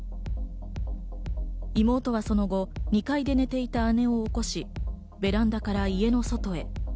妹はその後、２階で寝ていた姉を起こしベランダから家の外へ。